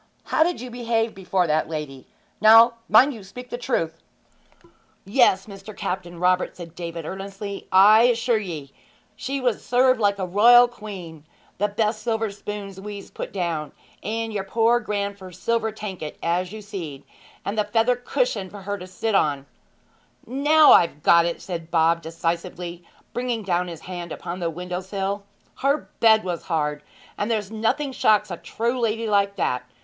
How did you behave before that lady? Now, mind you speak the truth!' 'Yes, Mr. Captain Robert,' said David earnestly. 'I assure ye she was served like a royal queen. The best silver spoons wez put down, and yer poor grandfer's silver tanket, as you seed, and the feather cushion for her to sit on ' 'Now I've got it!' said Bob decisively, bringing down his hand upon the window sill. 'Her bed was hard! and there's nothing shocks a true lady like that.